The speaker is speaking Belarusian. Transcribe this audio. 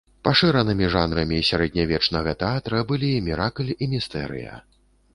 Пашыранымі жанрамі сярэднявечнага тэатра былі міракль і містэрыя.